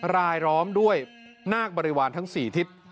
รายล้อมด้วยนาคบริวารทั้ง๔ทิศ